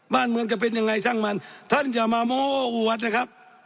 บ้านเมืองจะเป็นยังไงช่างมันท่านอย่ามาโม้ออวดนะครับ